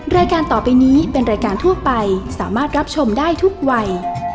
รายการต่อไปนี้เป็นรายการทั่วไปสามารถรับชมได้ทุกวัย